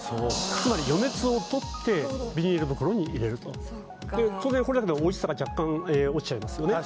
つまり余熱を取ってビニール袋に入れると当然これだけでおいしさが若干落ちますよね